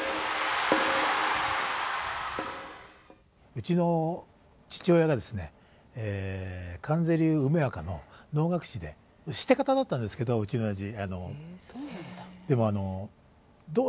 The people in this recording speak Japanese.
うちの父親がですね観世流梅若の能楽師でシテ方だったんですけどうちの親父。